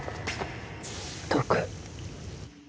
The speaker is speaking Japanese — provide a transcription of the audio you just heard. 毒。